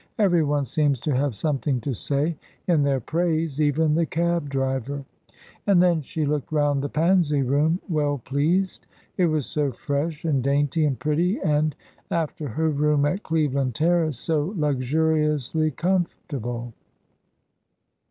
"Every one seems to have something to say in their praise, even the cab driver;" and then she looked round the Pansy Room well pleased. It was so fresh, and dainty, and pretty, and, after her room at Cleveland Terrace, so luxuriously comfortable.